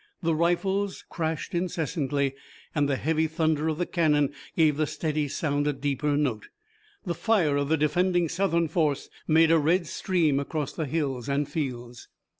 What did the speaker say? The rifles crashed incessantly and the heavy thunder of the cannon gave the steady sound a deeper note. The fire of the defending Southern force made a red stream across the hills and fields.